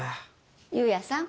夕也さん